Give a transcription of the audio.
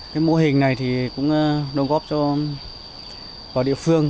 cái mô hình này thì cũng đồng góp cho địa phương